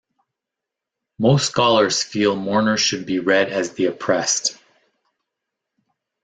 Most scholars feel mourners should be read as the oppressed.